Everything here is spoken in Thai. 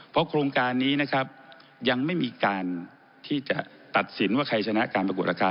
เพราะโครงการนี้นะครับยังไม่มีการที่จะตัดสินว่าใครชนะการประกวดราคา